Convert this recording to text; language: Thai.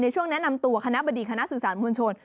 ช่วงแนะนำตัวคณะบดีคณะสื่อสารมวลชน